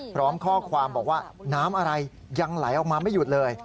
พร้อมข้อความบอกว่าน้ำอะไรยังไหลออกมาไม่หยุดเลย